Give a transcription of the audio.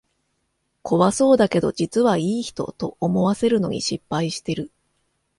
怖そうだけど実はいい人、と思わせるのに失敗してる